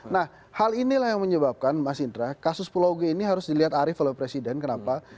nah hal inilah yang menyebabkan mas indra kasus pulau g ini harus dilihat arief oleh presiden kenapa